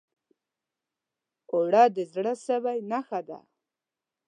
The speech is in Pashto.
اوړه د زړه سوي نښه ده